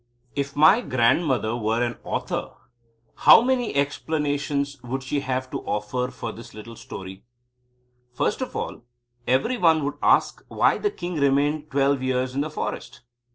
If my grandmother were an author how many explanations she would have to offer for this little story! First of all, every one would ask why the king remained twelve years in the forest?